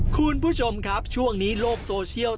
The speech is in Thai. คุณผู้ชมครับช่วงนี้โลกโซเชียล